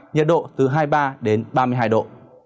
nhiệt độ từ hai mươi ba đến ba mươi hai độ